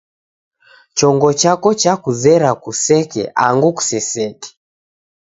Chongo chako chakuzera kuseke angu kuseseke.